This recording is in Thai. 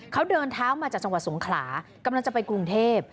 เขาเดินเท้ามาจากจังหวัดสงขลากำลังจะไปกรุงเทพ